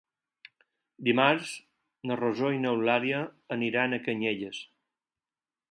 Dimarts na Rosó i n'Eulàlia aniran a Canyelles.